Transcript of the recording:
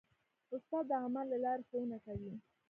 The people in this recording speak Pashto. استاد د عمل له لارې ښوونه کوي.